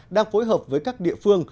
đang phối hợp với các địa phương